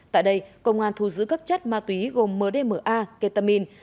tại đây công an thu giữ các chất ma túy gồm mdma ketamin